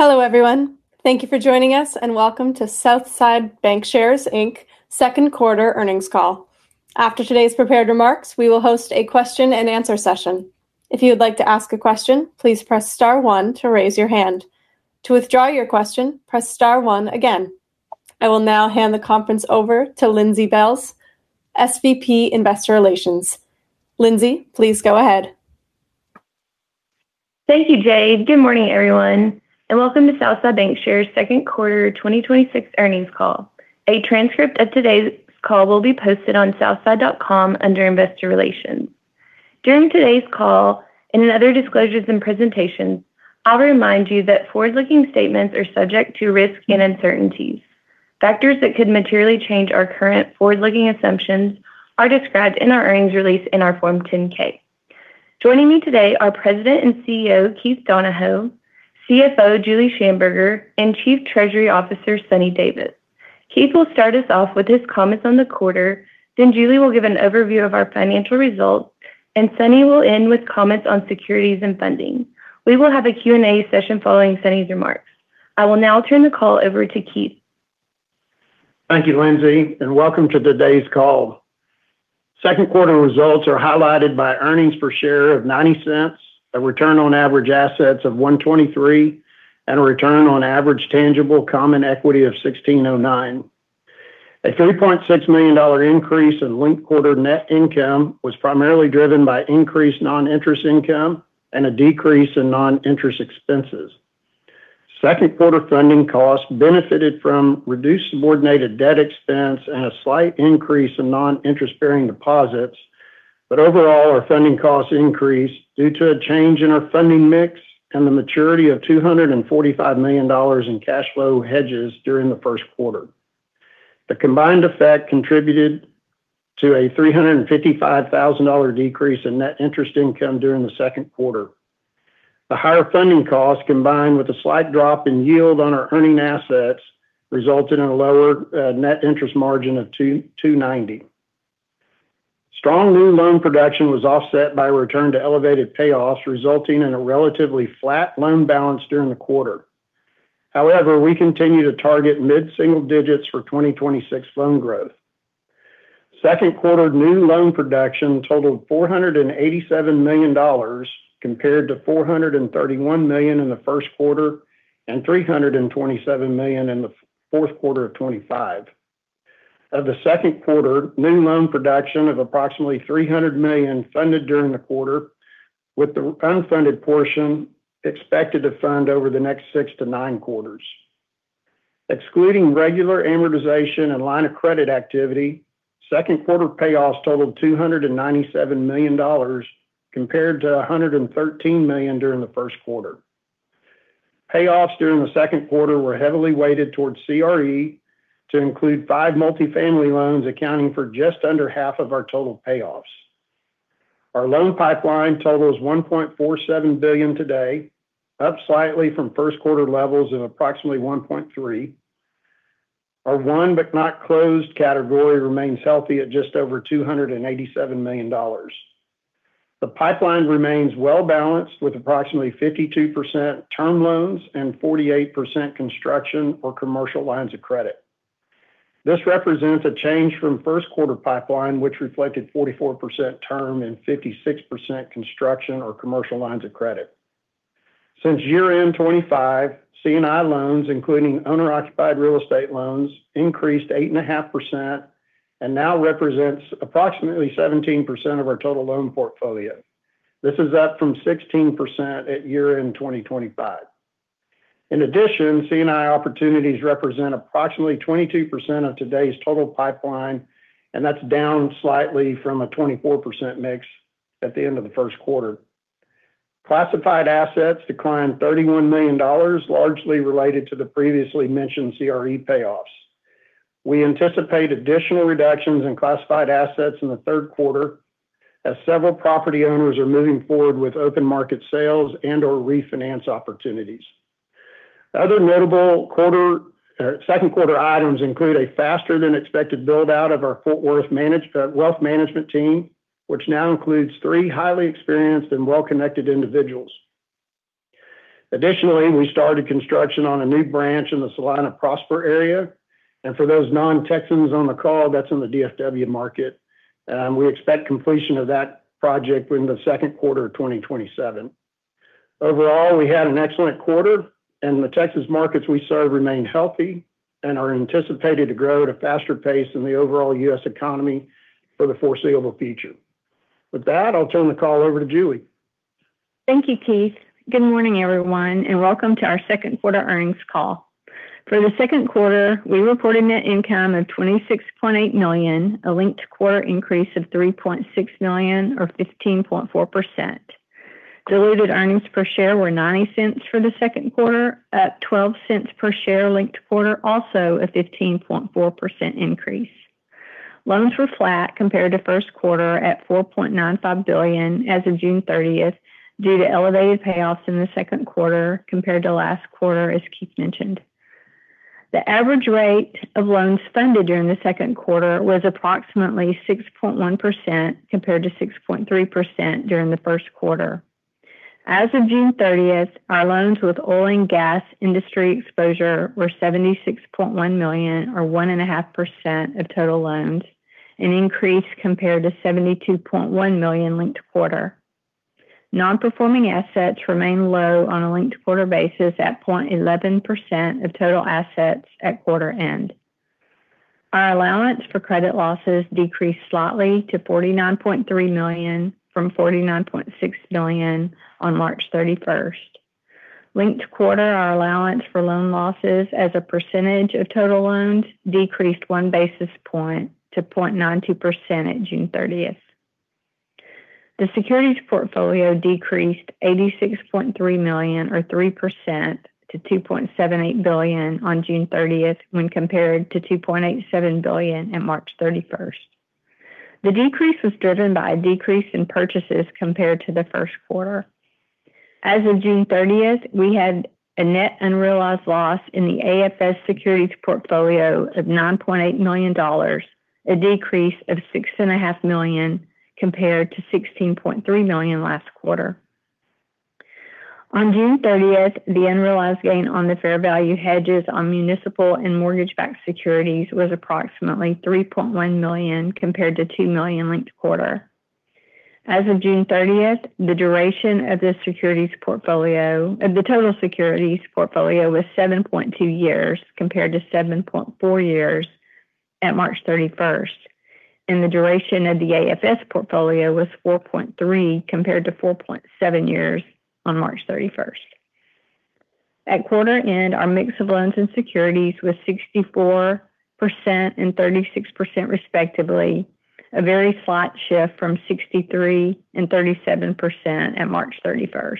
Hello, everyone. Thank you for joining us and welcome to Southside Bancshares Inc.'s second quarter earnings call. After today's prepared remarks, we will host a question and answer session. If you would like to ask a question, please press star one to raise your hand. To withdraw your question, press star one again. I will now hand the conference over to Lindsey Bailes, SVP, Investor Relations. Lindsey, please go ahead. Thank you, Jade. Good morning, everyone, and welcome to Southside Bancshares' second quarter 2026 earnings call. A transcript of today's call will be posted on southside.com under Investor Relations. During today's call and in other disclosures and presentations, I'll remind you that forward-looking statements are subject to risk and uncertainties. Factors that could materially change our current forward-looking assumptions are described in our earnings release in our Form 10-K. Joining me today are President and CEO, Keith Donahoe, CFO, Julie Shamburger, and Chief Treasury Officer, Suni Davis. Keith will start us off with his comments on the quarter, then Julie will give an overview of our financial results, and Suni will end with comments on securities and funding. We will have a Q&A session following Suni's remarks. I will now turn the call over to Keith. Thank you, Lindsey, and welcome to today's call. Second quarter results are highlighted by earnings per share of $0.90, a return on average assets of 1.23%, and a return on average tangible common equity of 16.09%. A $3.6 million increase in linked quarter net income was primarily driven by increased non-interest income and a decrease in non-interest expenses. Second quarter funding costs benefited from reduced subordinated debt expense and a slight increase in non-interest-bearing deposits. Overall, our funding costs increased due to a change in our funding mix and the maturity of $245 million in cash flow hedges during the first quarter. The combined effect contributed to a $355,000 decrease in net interest income during the second quarter. The higher funding cost, combined with a slight drop in yield on our earning assets, resulted in a lower net interest margin of 2.90%. Strong new loan production was offset by a return to elevated payoffs, resulting in a relatively flat loan balance during the quarter. We continue to target mid single-digits for 2026 loan growth. Second quarter new loan production totaled $487 million, compared to $431 million in the first quarter and $327 million in the fourth quarter of 2025. Of the second quarter, new loan production of approximately $300 million funded during the quarter, with the unfunded portion expected to fund over the next six to nine quarters. Excluding regular amortization and line of credit activity, second quarter payoffs totaled $297 million, compared to $113 million during the first quarter. Payoffs during the second quarter were heavily weighted towards CRE to include five multifamily loans, accounting for just under half of our total payoffs. Our loan pipeline totals $1.47 billion today, up slightly from first quarter levels of approximately $1.3 billion. Our won but not closed category remains healthy at just over $287 million. The pipeline remains well-balanced with approximately 52% term loans and 48% construction or commercial lines of credit. This represents a change from Q1 pipeline, which reflected 44% term and 56% construction or commercial lines of credit. Since year-end 2025, C&I loans, including owner-occupied real estate loans, increased 8.5% and now represents approximately 17% of our total loan portfolio. This is up from 16% at year-end 2025. C&I opportunities represent approximately 22% of today's total pipeline, and that's down slightly from a 24% mix at the end of the Q1. Classified assets declined $31 million, largely related to the previously mentioned CRE payoffs. We anticipate additional reductions in classified assets in the Q3 as several property owners are moving forward with open market sales and/or refinance opportunities. Other notable Q2 items include a faster than expected build-out of our Fort Worth wealth management team, which now includes three highly experienced and well-connected individuals. We started construction on a new branch in the Celina-Prosper area. For those non-Texans on the call, that's in the DFW market. We expect completion of that project in the Q2 of 2027. We had an excellent quarter, and the Texas markets we serve remain healthy and are anticipated to grow at a faster pace than the overall U.S. economy for the foreseeable future. With that, I'll turn the call over to Julie. Thank you, Keith. Good morning, everyone, and welcome to our Q2 earnings call. For the Q2, we reported net income of $26.8 million, a linked quarter increase of $3.6 million or 15.4%. Diluted earnings per share were $0.90 for the Q2, up $0.12 per share linked quarter, also a 15.4% increase. Loans were flat compared to Q1 at $4.95 billion as of June 30th due to elevated payoffs in the Q2 compared to last quarter, as Keith mentioned. The average rate of loans funded during the Q2 was approximately 6.1%, compared to 6.3% during the Q1. As of June 30th, our loans with oil and gas industry exposure were $76.1 million, or 1.5% of total loans, an increase compared to $72.1 million linked quarter. Non-performing assets remain low on a linked quarter basis at 0.11% of total assets at quarter end. Our allowance for credit losses decreased slightly to $49.3 million from $49.6 million on March 31st. Linked quarter, our allowance for loan losses as a percentage of total loans decreased one basis point to 0.92% at June 30th. The securities portfolio decreased $86.3 million, or 3%, to $2.78 billion on June 30th, when compared to $2.87 billion at March 31st. The decrease was driven by a decrease in purchases compared to the Q1. As of June 30th, we had a net unrealized loss in the AFS securities portfolio of $9.8 million, a decrease of $6.5 million compared to $16.3 million last quarter. On June 30th, the unrealized gain on the fair value hedges on municipal and mortgage-backed securities was approximately $3.1 million, compared to $2 million linked quarter. As of June 30th, the duration of the total securities portfolio was 7.2 years, compared to 7.4 years at March 31st, and the duration of the AFS portfolio was 4.3, compared to 4.7 years on March 31st. At quarter end, our mix of loans and securities was 64% and 36%, respectively, a very slight shift from 63% and 37% at March 31st.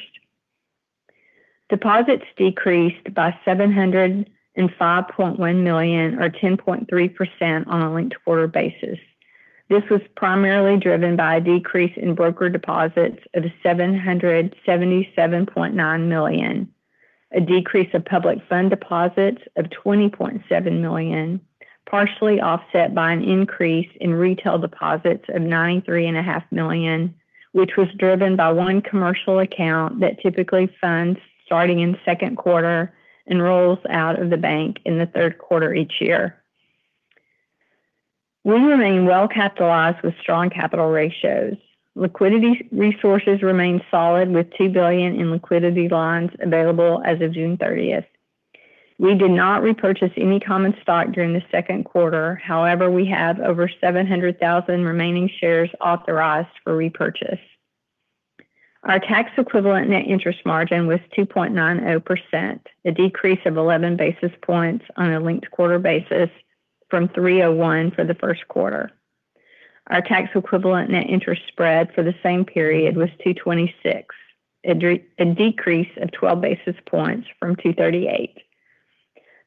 Deposits decreased by $705.1 million, or 10.3%, on a linked quarter basis. This was primarily driven by a decrease in broker deposits of $777.9 million, a decrease of public fund deposits of $20.7 million, partially offset by an increase in retail deposits of $93.5 million, which was driven by one commercial account that typically funds starting in second quarter and rolls out of the bank in the third quarter each year. We remain well-capitalized with strong capital ratios. Liquidity resources remain solid, with $2 billion in liquidity lines available as of June 30th. We did not repurchase any common stock during the second quarter. However, we have over 700,000 remaining shares authorized for repurchase. Our tax equivalent net interest margin was 2.90%, a decrease of 11 basis points on a linked quarter basis from 301 for the first quarter. Our tax equivalent net interest spread for the same period was 2.26%, a decrease of 12 basis points from 2.38%.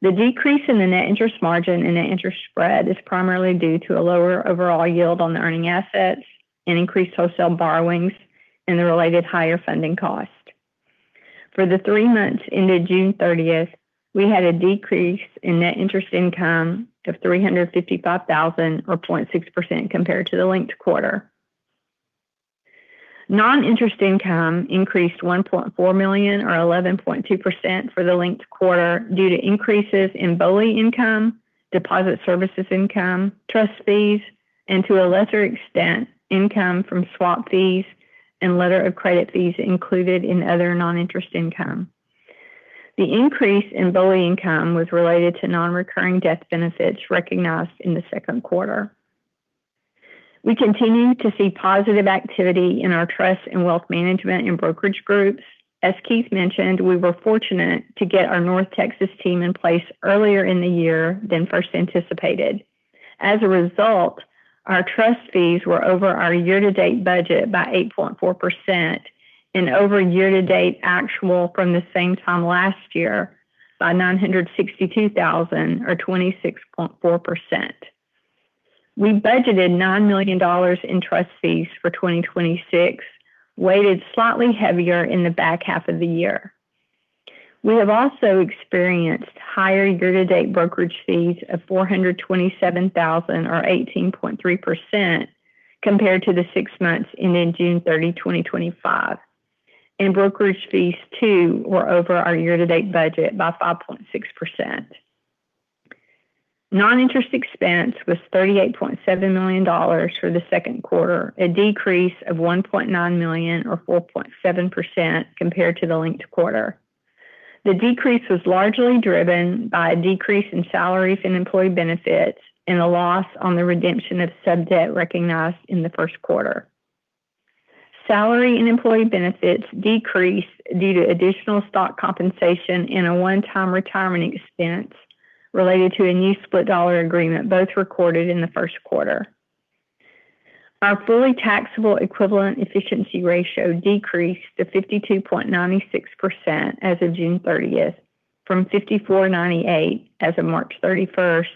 The decrease in the net interest margin and the interest spread is primarily due to a lower overall yield on the earning assets, and increased wholesale borrowings, and the related higher funding cost. For the three months ended June 30th, we had a decrease in net interest income of $355,000, or 0.6%, compared to the linked quarter. Non-interest income increased $1.4 million, or 11.2%, for the linked quarter due to increases in BOLI income, deposit services income, trust fees, and to a lesser extent, income from swap fees and letter of credit fees included in other non-interest income. The increase in BOLI income was related to non-recurring death benefits recognized in the second quarter. We continue to see positive activity in our trust and wealth management and brokerage groups. As Keith mentioned, we were fortunate to get our North Texas team in place earlier in the year than first anticipated. As a result, our trust fees were over our year-to-date budget by 8.4% and over year-to-date actual from the same time last year by $962,000, or 26.4%. We budgeted $9 million in trust fees for 2026, weighted slightly heavier in the back half of the year. We have also experienced higher year-to-date brokerage fees of $427,000, or 18.3%, compared to the six months ending June 30, 2025. Brokerage fees, too, were over our year-to-date budget by 5.6%. Non-interest expense was $38.7 million for the second quarter, a decrease of $1.9 million, or 4.7%, compared to the linked quarter. The decrease was largely driven by a decrease in salaries and employee benefits and a loss on the redemption of sub-debt recognized in the first quarter. Salary and employee benefits decreased due to additional stock compensation and a one-time retirement expense related to a new split dollar agreement, both recorded in the first quarter. Our fully taxable equivalent efficiency ratio decreased to 52.96% as of June 30th from 54.98% as of March 31st,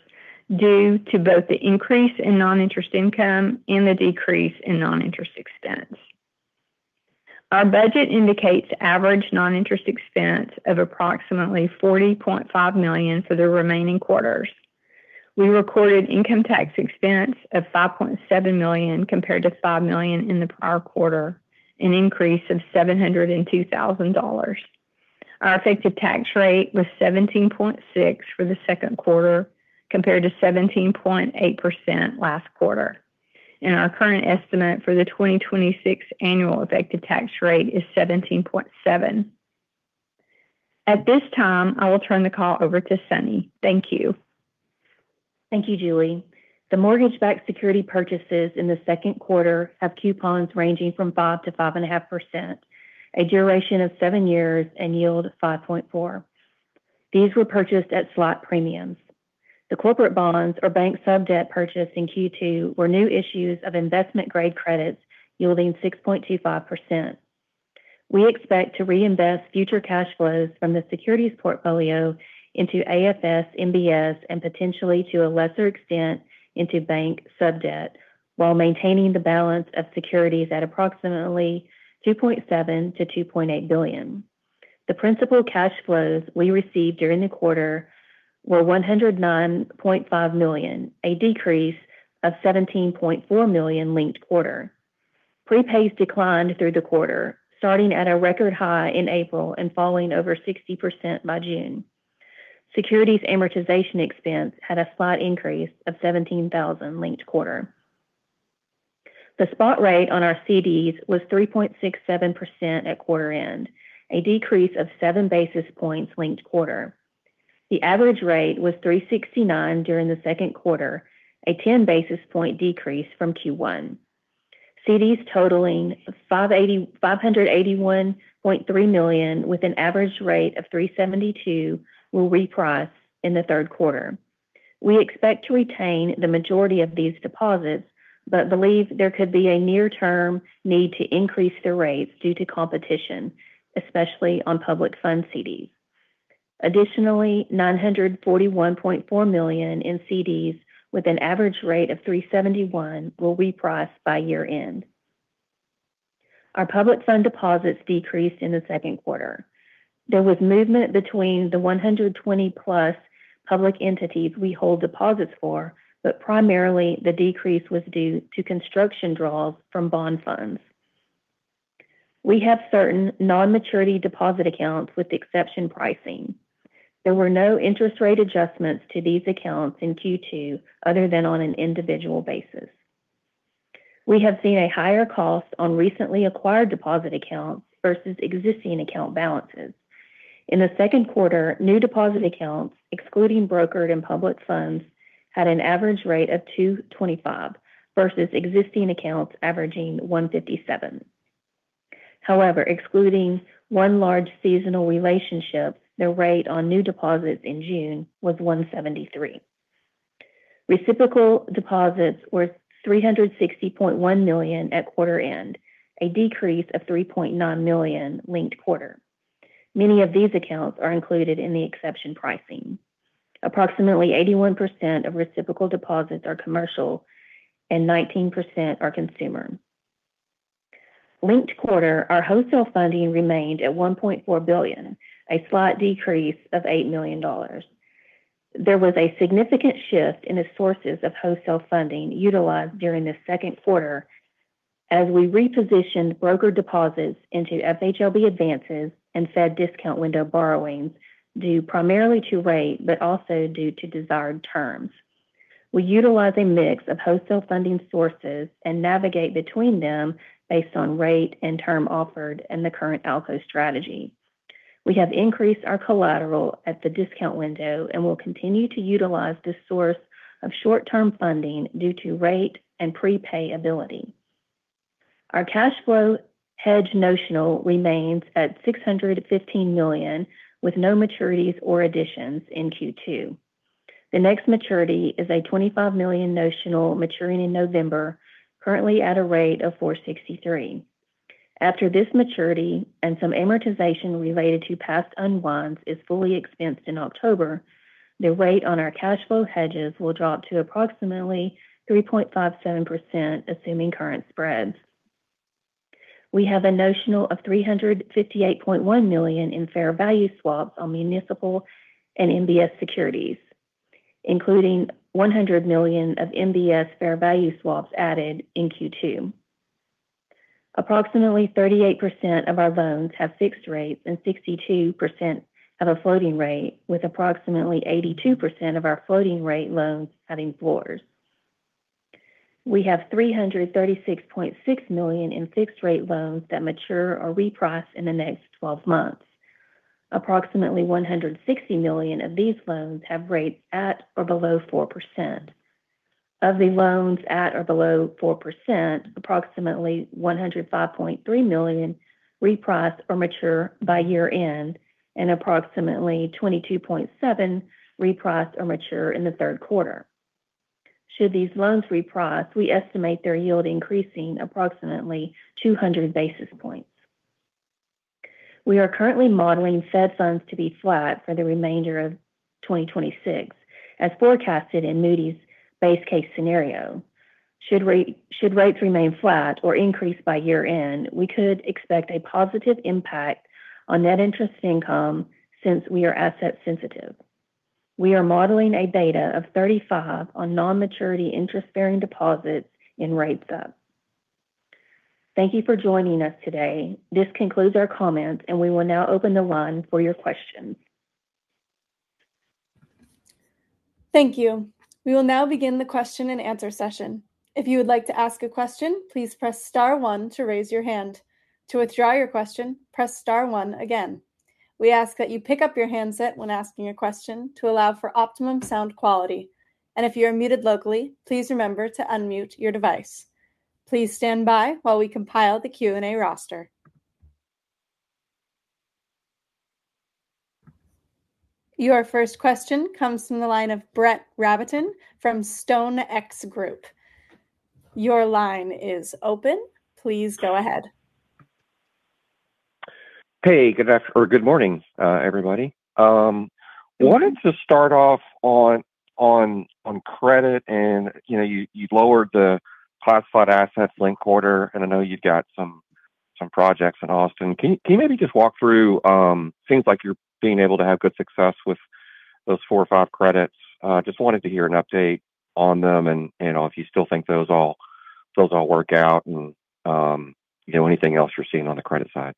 due to both the increase in non-interest income and the decrease in non-interest expense. Our budget indicates average non-interest expense of approximately $40.5 million for the remaining quarters. We recorded income tax expense of $5.7 million compared to $5 million in the prior quarter, an increase of $702,000. Our effective tax rate was 17.6% for the second quarter, compared to 17.8% last quarter. Our current estimate for the 2026 annual effective tax rate is 17.7%. At this time, I will turn the call over to Suni. Thank you. Thank you, Julie. The mortgage-backed security purchases in the second quarter have coupons ranging from 5%-5.5%, a duration of seven years, and yield 5.4%. These were purchased at spot premiums. The corporate bonds or bank sub-debt purchased in Q2 were new issues of investment-grade credits yielding 6.25%. We expect to reinvest future cash flows from the securities portfolio into AFS, MBS, and potentially, to a lesser extent, into bank sub-debt, while maintaining the balance of securities at approximately $2.7 billion-$2.8 billion. The principal cash flows we received during the quarter were $109.5 million, a decrease of $17.4 million linked quarter. Prepaids declined through the quarter, starting at a record high in April and falling over 60% by June. Securities amortization expense had a slight increase of $17,000 linked quarter. The spot rate on our CDs was 3.67% at quarter end, a decrease of seven basis points linked quarter. The average rate was 3.69% during the second quarter, a 10 basis point decrease from Q1. CDs totaling $581.3 million with an average rate of 3.72% will reprice in the third quarter. We expect to retain the majority of these deposits, but believe there could be a near-term need to increase their rates due to competition, especially on public fund CDs. Additionally, $941.4 million in CDs with an average rate of 3.71% will reprice by year-end. Our public fund deposits decreased in the second quarter. There was movement between the 120+ public entities we hold deposits for, but primarily, the decrease was due to construction draws from bond funds. We have certain non-maturity deposit accounts with exception pricing. There were no interest rate adjustments to these accounts in Q2 other than on an individual basis. We have seen a higher cost on recently acquired deposit accounts versus existing account balances. In the second quarter, new deposit accounts, excluding brokered and public funds, had an average rate of 2.25% versus existing accounts averaging 1.57%. However, excluding one large seasonal relationship, the rate on new deposits in June was 1.73%. Reciprocal deposits were $360.1 million at quarter end, a decrease of $3.9 million linked quarter. Many of these accounts are included in the exception pricing. Approximately 81% of reciprocal deposits are commercial and 19% are consumer. Linked quarter, our wholesale funding remained at $1.4 billion, a slight decrease of $8 million. There was a significant shift in the sources of wholesale funding utilized during the second quarter as we repositioned broker deposits into FHLB advances and Fed discount window borrowings due primarily to rate, but also due to desired terms. We utilize a mix of wholesale funding sources and navigate between them based on rate and term offered and the current ALCO strategy. We have increased our collateral at the discount window and will continue to utilize this source of short-term funding due to rate and prepayability. Our cash flow hedge notional remains at $615 million with no maturities or additions in Q2. The next maturity is a $25 million notional maturing in November, currently at a rate of 4.63%. After this maturity and some amortization related to past unwinds is fully expensed in October, the rate on our cash flow hedges will drop to approximately 3.57%, assuming current spreads. We have a notional of $358.1 million in fair value swaps on municipal and MBS securities, including $100 million of MBS fair value swaps added in Q2. Approximately 38% of our loans have fixed rates and 62% have a floating rate, with approximately 82% of our floating rate loans having floors. We have $336.6 million in fixed rate loans that mature or reprice in the next 12 months. Approximately $160 million of these loans have rates at or below 4%. Of the loans at or below 4%, approximately $105.3 million reprice or mature by year-end and approximately $22.7 million reprice or mature in the third quarter. Should these loans reprice, we estimate their yield increasing approximately 200 basis points. We are currently modeling Fed funds to be flat for the remainder of 2026, as forecasted in Moody's base case scenario. Should rates remain flat or increase by year-end, we could expect a positive impact on net interest income since we are asset sensitive. We are modeling a beta of 35 on non-maturity interest-bearing deposits in rates up. Thank you for joining us today. This concludes our comments, and we will now open the line for your questions. Thank you. We will now begin the question and answer session. If you would like to ask a question, please press star one to raise your hand. To withdraw your question, press star one again. We ask that you pick up your handset when asking a question to allow for optimum sound quality. If you are muted locally, please remember to unmute your device. Please stand by while we compile the Q&A roster. Your first question comes from the line of Brett Rabatin from StoneX Group. Your line is open. Please go ahead. Hey, good morning, everybody. Wanted to start off on credit. You've lowered the classified assets linked quarter. I know you've got some projects in Austin. Can you maybe just walk through, seems like you're being able to have good success with those four or five credits. Just wanted to hear an update on them. If you still think those all work out, anything else you're seeing on the credit side.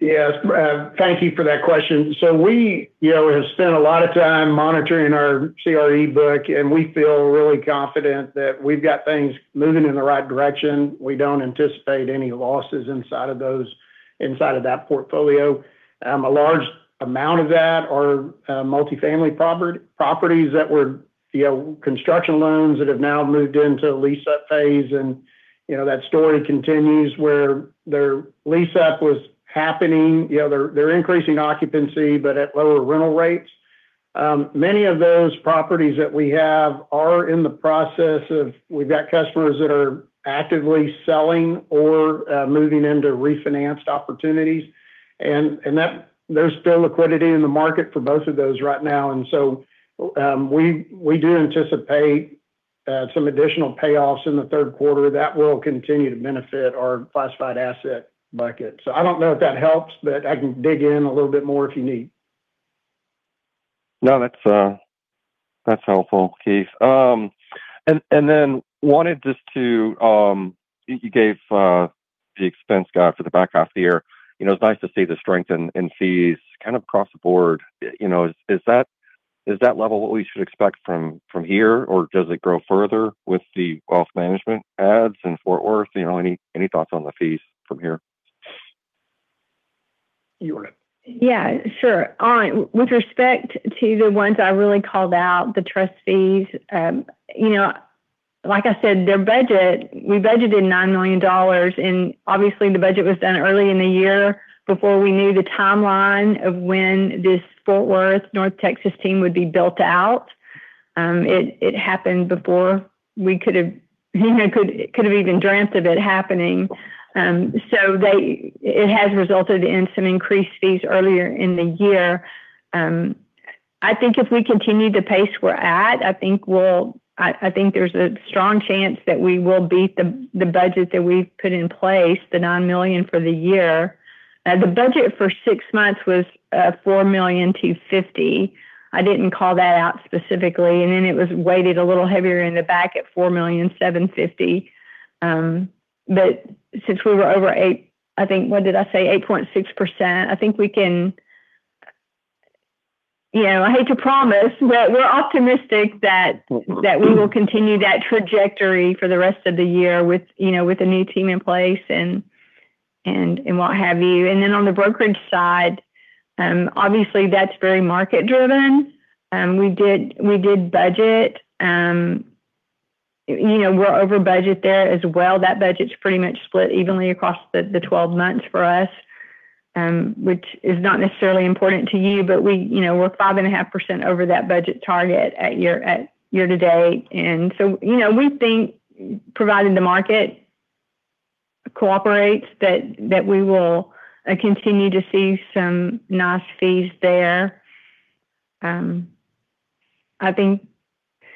Yes. Thank you for that question. We have spent a lot of time monitoring our CRE book, we feel really confident that we've got things moving in the right direction. We don't anticipate any losses inside of that portfolio. A large amount of that are multifamily properties that were construction loans that have now moved into a lease-up phase. That story continues where their lease-up was happening. They're increasing occupancy, at lower rental rates. Many of those properties that we have are in the process of we've got customers that are actively selling or moving into refinanced opportunities. There's still liquidity in the market for both of those right now. We do anticipate some additional payoffs in the third quarter that will continue to benefit our classified asset bucket. I don't know if that helps, I can dig in a little bit more if you need. No, that's helpful, Keith. You gave the expense guide for the back half of the year. It's nice to see the strength in fees kind of across the board. Is that level what we should expect from here, or does it grow further with the wealth management adds in Fort Worth? Any thoughts on the fees from here? You wanna? Yeah. Sure. All right. With respect to the ones I really called out, the trust fees, like I said, we budgeted $9 million, and obviously the budget was done early in the year before we knew the timeline of when this Fort Worth North Texas team would be built out. It happened before we could have even dreamt of it happening. It has resulted in some increased fees earlier in the year. I think if we continue the pace we're at, I think there's a strong chance that we will beat the budget that we've put in place, the $9 million for the year. The budget for six months was $4,250,000. I didn't call that out specifically. It was weighted a little heavier in the back at $4,750,000. Since we were over 8%, I think, what did I say? 8.6%. I hate to promise, but we're optimistic that we will continue that trajectory for the rest of the year with the new team in place and what have you. On the brokerage services side, obviously that's very market driven. We did budget. We're over budget there as well. That budget's pretty much split evenly across the 12 months for us, which is not necessarily important to you, but we're 5.5% over that budget target at year to date. We think providing the market cooperates, that we will continue to see some nice fees there.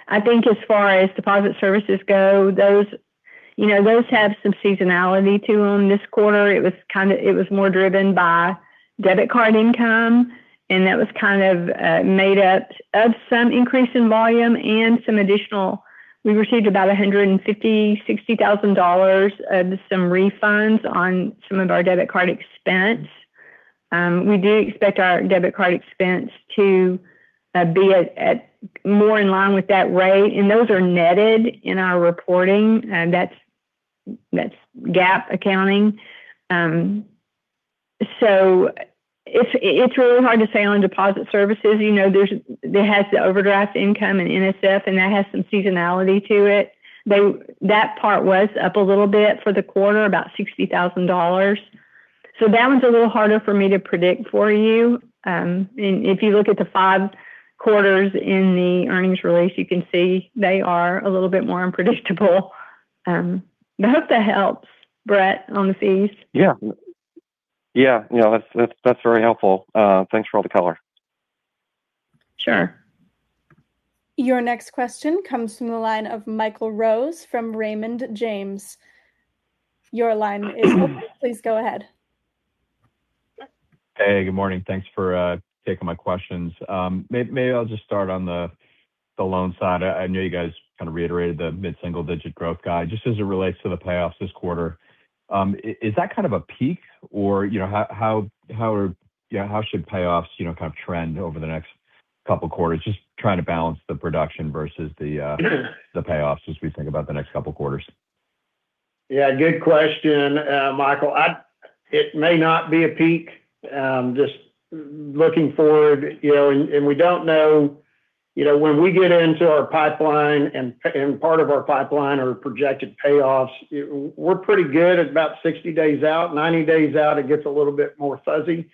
I think as far as deposit services go, those have some seasonality to them. This quarter it was more driven by debit card income, and that was kind of made up of some increase in volume. We received about $150,000, $60,000 of some refunds on some of our debit card expense. We do expect our debit card expense to be more in line with that rate, and those are netted in our reporting. That's GAAP accounting. It's really hard to say on deposit services. It has the overdraft income and NSF, and that has some seasonality to it. That part was up a little bit for the quarter, about $60,000. That one's a little harder for me to predict for you. If you look at the five quarters in the earnings release, you can see they are a little bit more unpredictable. I hope that helps, Brett, on the fees. Yeah. That's very helpful. Thanks for all the color. Sure. Your next question comes from the line of Michael Rose from Raymond James. Your line is open. Please go ahead. Hey, good morning. Thanks for taking my questions. Maybe I'll just start on the loans side. I know you guys kind of reiterated the mid single-digit growth guide. Just as it relates to the payoffs this quarter, is that kind of a peak? Or how should payoffs trend over the next couple of quarters? Just trying to balance the production versus the payoffs as we think about the next couple of quarters. Yeah, good question, Michael. It may not be a peak. Just looking forward, we don't know when we get into our pipeline, and part of our pipeline are projected payoffs. We're pretty good at about 60 days out. 90 days out, it gets a little bit more fuzzy.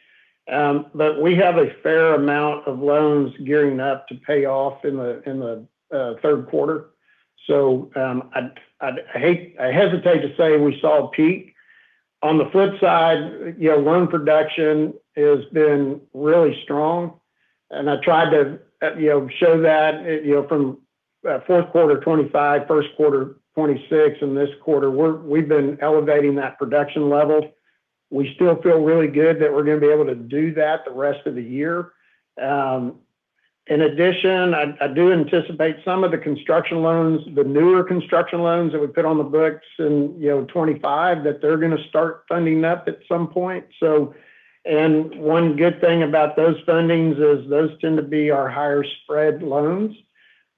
We have a fair amount of loans gearing up to pay off in the third quarter. I hesitate to say we saw a peak. On the flip side, loan production has been really strong, I tried to show that from fourth quarter 2025, first quarter 2026, and this quarter, we've been elevating that production level. We still feel really good that we're going to be able to do that the rest of the year. In addition, I do anticipate some of the construction loans, the newer construction loans that we put on the books in 2025, that they're going to start funding up at some point. One good thing about those fundings is those tend to be our higher spread loans.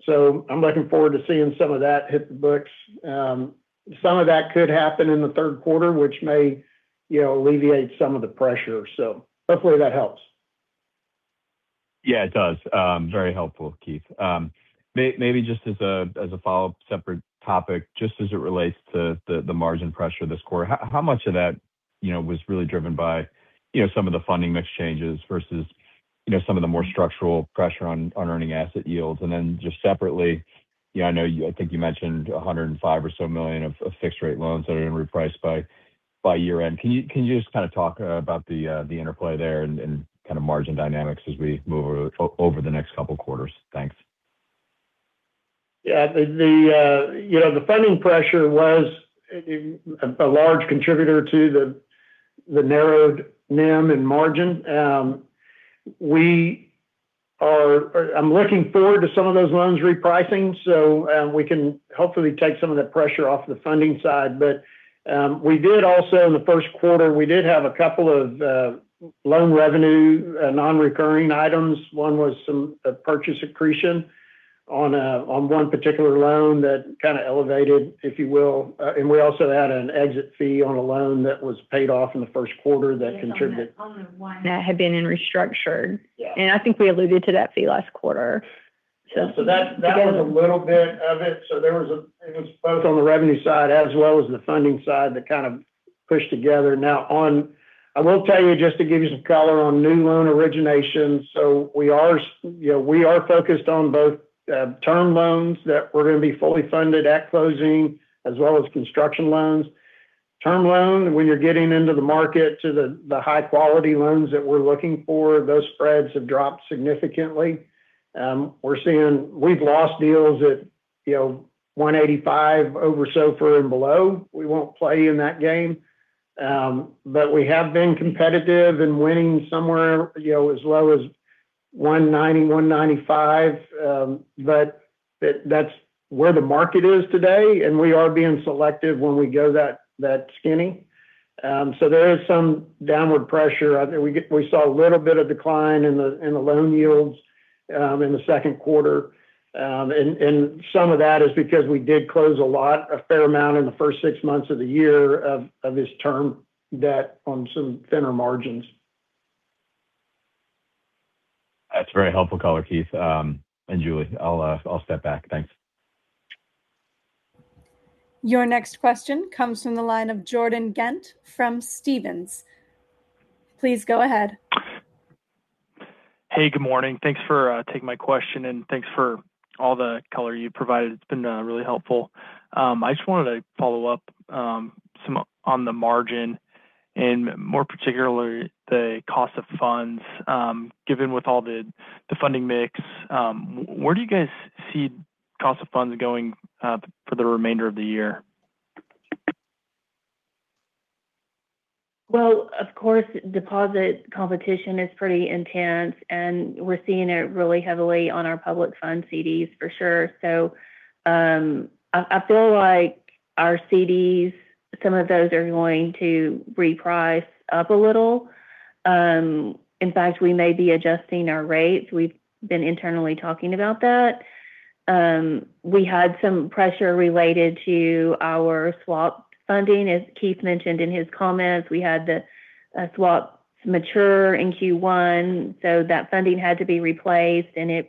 I'm looking forward to seeing some of that hit the books. Some of that could happen in the third quarter, which may alleviate some of the pressure. Hopefully that helps. Yeah, it does. Very helpful, Keith. Maybe just as a follow-up separate topic, just as it relates to the margin pressure this quarter, how much of that was really driven by some of the funding mix changes versus some of the more structural pressure on earning asset yields? Just separately, I think you mentioned $105 million or so of fixed rate loans that are going to reprice by year-end. Can you just talk about the interplay there and kind of margin dynamics as we move over the next couple of quarters? Thanks. Yeah. The funding pressure was a large contributor to the narrowed NIM and margin. I'm looking forward to some of those loans repricing, so we can hopefully take some of the pressure off the funding side. We did also in the first quarter, we did have a couple of loan revenue non-recurring items. One was some purchase accretion on one particular loan that kind of elevated, if you will. We also had an exit fee on a loan that was paid off in the first quarter that contributed- Yes, on the one that had been in restructured. Yes. I think we alluded to that fee last quarter. That was a little bit of it. There was both on the revenue side as well as the funding side that kind of pushed together. I will tell you, just to give you some color on new loan originations. We are focused on both term loans that we're going to be fully funded at closing, as well as construction loans. Term loan, when you're getting into the market to the high-quality loans that we're looking for, those spreads have dropped significantly. We're seeing we've lost deals at 1.85%, over SOFR and below. We won't play in that game. We have been competitive and winning somewhere as low as 1.90%, 1.95%. That's where the market is today, and we are being selective when we go that skinny. There is some downward pressure. We saw a little bit of decline in the loan yields in the second quarter. Some of that is because we did close a lot, a fair amount in the first six months of the year of this term debt on some thinner margins. That's a very helpful color, Keith and Julie. I'll step back. Thanks. Your next question comes from the line of Jordan Ghent from Stephens. Please go ahead. Hey, good morning. Thanks for taking my question, and thanks for all the color you provided. It's been really helpful. I just wanted to follow up on the margin and more particularly, the cost of funds. Given with all the funding mix, where do you guys see cost of funds going for the remainder of the year? Well, of course, deposit competition is pretty intense, and we're seeing it really heavily on our public fund CDs for sure. I feel like our CDs, some of those are going to reprice up a little. In fact, we may be adjusting our rates. We've been internally talking about that. We had some pressure related to our swap funding, as Keith mentioned in his comments. We had a swap mature in Q1, so that funding had to be replaced, and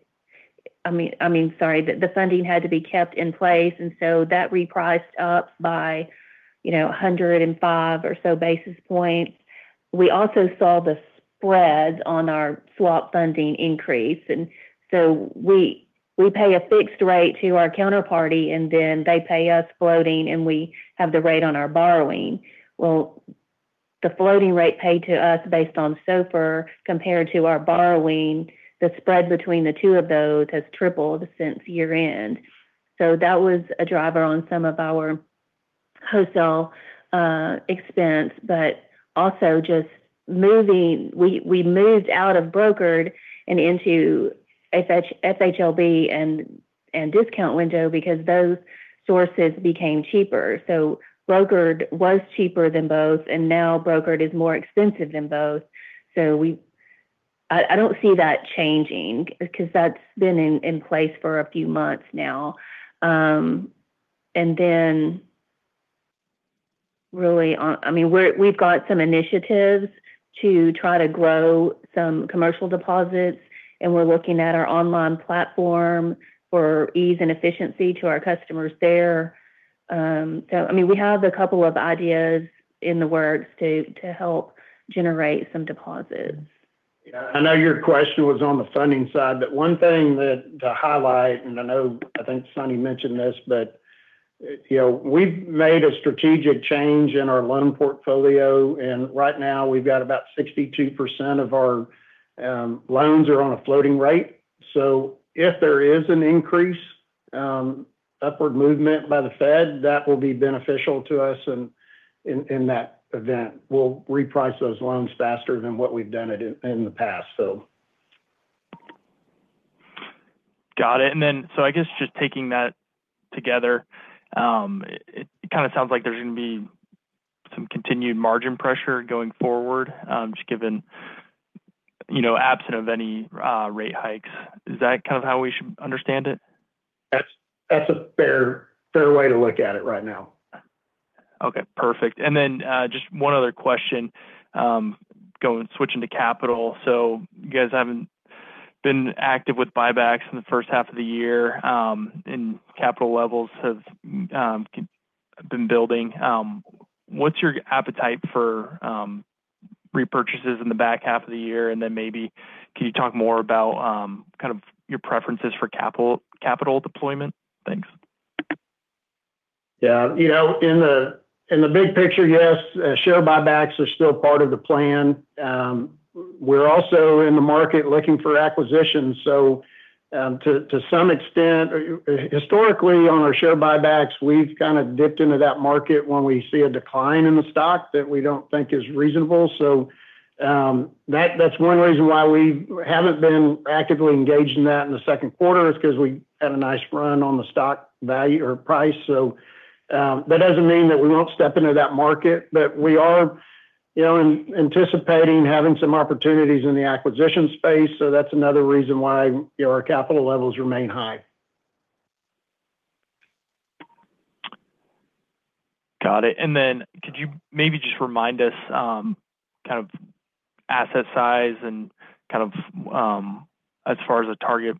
I mean, the funding had to be kept in place, and so that repriced up by 105 or so basis points. We also saw the spreads on our swap funding increase. We pay a fixed rate to our counterparty, and then they pay us floating, and we have the rate on our borrowing. The floating rate paid to us based on SOFR compared to our borrowing, the spread between the two of those has tripled since year-end. That was a driver on some of our wholesale expense, but also just moving. We moved out of brokered and into FHLB and discount window because those sources became cheaper. Brokered was cheaper than both, and now brokered is more expensive than both. I don't see that changing because that's been in place for a few months now. Really, we've got some initiatives to try to grow some commercial deposits, and we're looking at our online platform for ease and efficiency to our customers there. We have a couple of ideas in the works to help generate some deposits. Yeah. I know your question was on the funding side, one thing to highlight, and I know, I think Suni mentioned this, we've made a strategic change in our loan portfolio, and right now we've got about 62% of our loans are on a floating rate. If there is an increase, upward movement by the Fed, that will be beneficial to us in that event. We'll reprice those loans faster than what we've done in the past. Got it. I guess just taking that together, it kind of sounds like there's going to be some continued margin pressure going forward, just given absent of any rate hikes. Is that kind of how we should understand it? That's a fair way to look at it right now. Okay, perfect. Just one other question. Switching to capital. You guys haven't been active with buybacks in the first half of the year, and capital levels have been building. What's your appetite for repurchases in the back half of the year, and then maybe, can you talk more about your preferences for capital deployment? Thanks. Yeah. In the big picture, yes, share buybacks are still part of the plan. We're also in the market looking for acquisitions. To some extent, historically on our share buybacks, we've kind of dipped into that market when we see a decline in the stock that we don't think is reasonable. That's one reason why we haven't been actively engaged in that in the second quarter is because we had a nice run on the stock value or price. That doesn't mean that we won't step into that market. We are anticipating having some opportunities in the acquisition space. That's another reason why our capital levels remain high. Got it. Could you maybe just remind us asset size, and as far as a target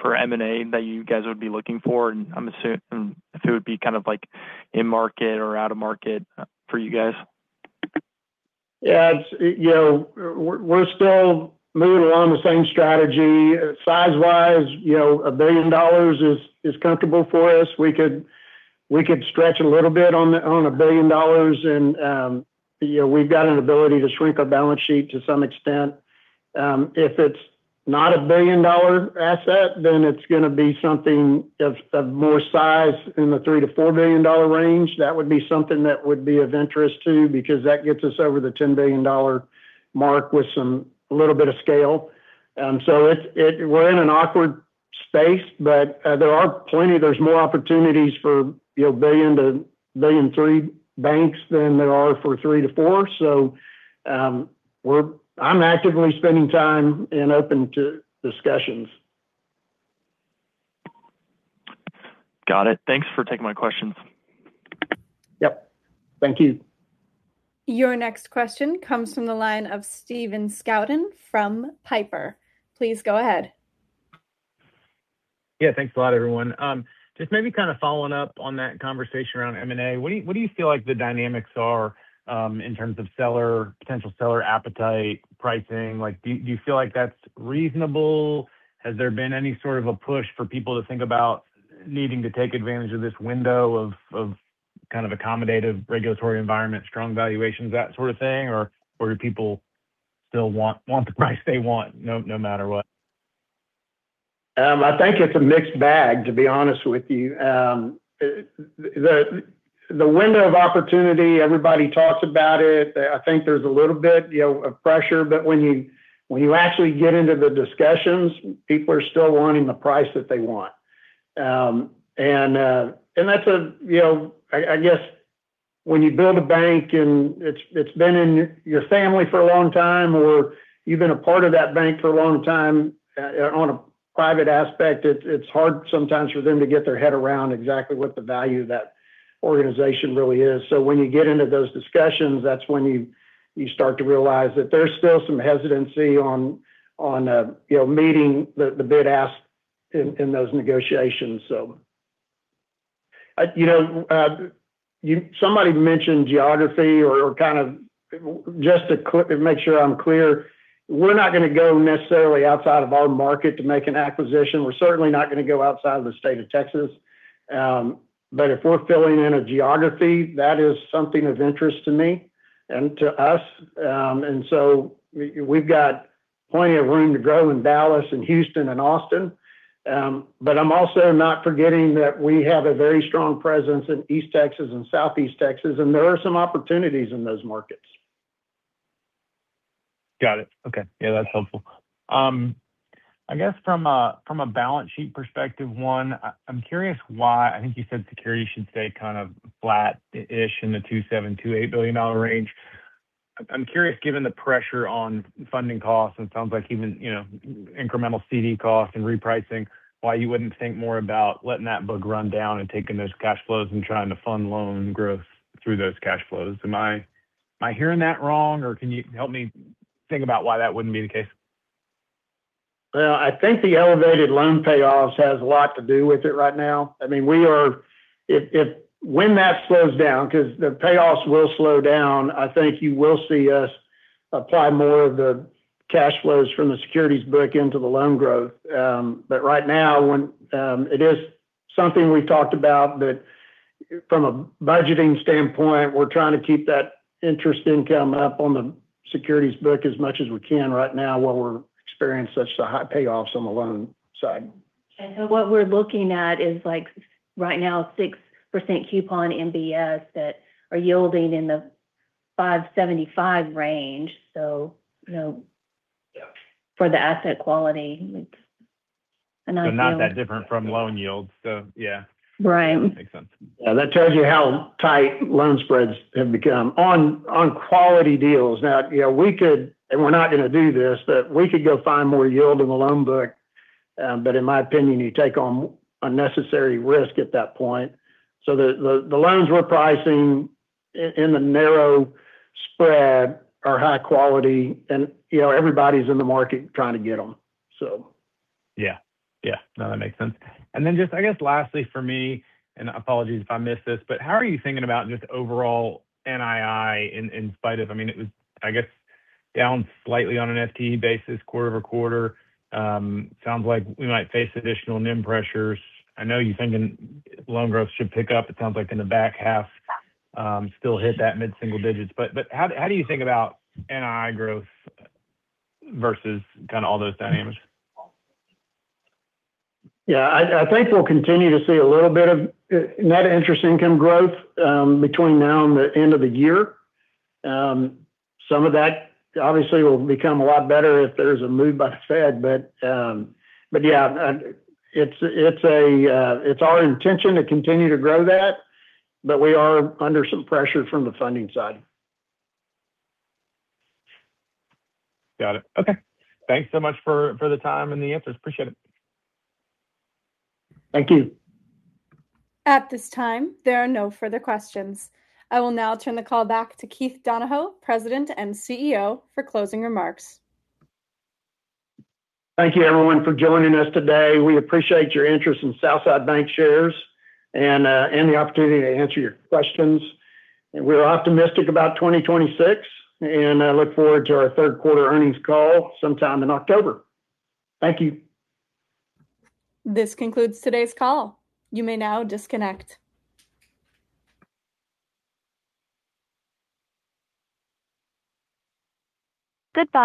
for M&A that you guys would be looking for? I'm assuming if it would be kind of like in market or out of market for you guys. Yeah. We're still moving along the same strategy. Size-wise, a billion dollars is comfortable for us. We could stretch a little bit on a billion dollars, and we've got an ability to shrink our balance sheet to some extent. If it's not a billion-dollar asset, it's going to be something of more size in the $3 billion-$4 billion range. That would be something that would be of interest, too, because that gets us over the $10 billion mark with a little bit of scale. We're in an awkward space, but there are plenty-- There's more opportunities for $1 billion-$1.3 billion banks than there are for $3 billion-$4 billion. I'm actively spending time and open to discussions. Got it. Thanks for taking my questions. Yep. Thank you. Your next question comes from the line of Stephen Scouten from Piper. Please go ahead. Yeah, thanks a lot, everyone. Just maybe kind of following up on that conversation around M&A. What do you feel like the dynamics are in terms of potential seller appetite, pricing? Do you feel like that's reasonable? Has there been any sort of a push for people to think about needing to take advantage of this window of kind of accommodative regulatory environment, strong valuations, that sort of thing, or do people still want the price they want no matter what? I think it's a mixed bag, to be honest with you. The window of opportunity, everybody talks about it. I think there's a little bit of pressure. When you actually get into the discussions, people are still wanting the price that they want. I guess when you build a bank and it's been in your family for a long time, or you've been a part of that bank for a long time on a private aspect, it's hard sometimes for them to get their head around exactly what the value of that organization really is. When you get into those discussions, that's when you start to realize that there's still some hesitancy on meeting the bid-ask in those negotiations. Somebody mentioned geography, or just to make sure I'm clear, we're not going to go necessarily outside of our market to make an acquisition. We're certainly not going to go outside the state of Texas. If we're filling in a geography, that is something of interest to me and to us. We've got plenty of room to grow in Dallas and Houston and Austin. I'm also not forgetting that we have a very strong presence in East Texas and Southeast Texas, and there are some opportunities in those markets. Got it. Okay. Yeah, that's helpful. I guess from a balance sheet perspective, one, I'm curious why, I think you said securities should stay kind of flat-ish in the $2.7 billion-$2.8 billion range. I'm curious, given the pressure on funding costs, and it sounds like even incremental CD costs and repricing, why you wouldn't think more about letting that book run down and taking those cash flows and trying to fund loan growth through those cash flows. Am I hearing that wrong, or can you help me think about why that wouldn't be the case? I think the elevated loan payoffs has a lot to do with it right now. When that slows down, because the payoffs will slow down, I think you will see us apply more of the cash flows from the securities book into the loan growth. Right now, it is something we've talked about, that from a budgeting standpoint, we're trying to keep that interest income up on the securities book as much as we can right now while we're experiencing such the high payoffs on the loan side. What we're looking at is right now, 6% coupon MBS that are yielding in the 5.75% range. For the asset quality, it's a nice yield. Not that different from loan yields. Yeah. Right. Makes sense. Yeah, that tells you how tight loan spreads have become on quality deals. We could, and we're not going to do this, but we could go find more yield in the loan book, but in my opinion, you take on unnecessary risk at that point. The loans we're pricing in the narrow spread are high quality, and everybody's in the market trying to get them, so. Yeah. No, that makes sense. Then just, I guess lastly for me, and apologies if I missed this, how are you thinking about just overall NII in spite of, it was, I guess, down slightly on an FTE basis quarter-over-quarter. Sounds like we might face additional NIM pressures. I know you're thinking loan growth should pick up. It sounds like in the back half, still hit that mid single-digits. How do you think about NII growth versus kind of all those dynamics? Yeah, I think we'll continue to see a little bit of net interest income growth between now and the end of the year. Some of that obviously will become a lot better if there's a move by the Fed. Yeah, it's our intention to continue to grow that, but we are under some pressure from the funding side. Got it. Okay. Thanks so much for the time and the answers. Appreciate it. Thank you. At this time, there are no further questions. I will now turn the call back to Keith Donahoe, President and CEO, for closing remarks. Thank you, everyone, for joining us today. We appreciate your interest in Southside Bancshares and the opportunity to answer your questions. We're optimistic about 2026, I look forward to our third quarter earnings call sometime in October. Thank you. This concludes today's call. You may now disconnect.